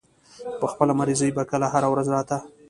پۀ خپله مرضۍ به کله هره ورځ راتۀ